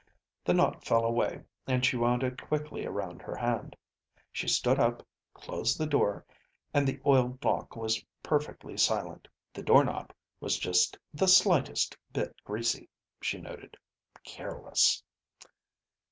The knot fell away, and she wound it quickly around her hand. She stood up, closed the door, and the oiled lock was perfectly silent. The door knob was just the slightest bit greasy, she noted. Careless.